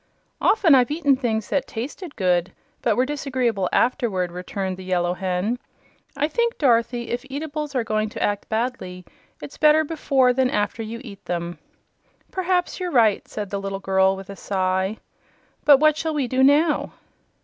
"Often I've eaten things that tasted good but were disagreeable afterward," returned the Yellow Hen. "I think, Dorothy, if eatables are going to act badly, it's better before than after you eat them." "P'raps you're right," said the little girl, with a sigh. "But what shall we do now?"